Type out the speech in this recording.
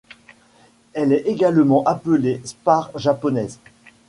Elle est également appelée Spare japonaise.